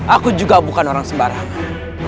aku juga bukan orang sembarangan